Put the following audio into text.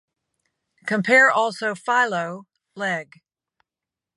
Compare also Philo, Leg.